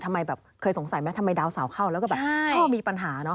ทำไมแบบเคยสงสัยไหมทำไมดาวเสาเข้าแล้วก็แบบชอบมีปัญหาเนาะ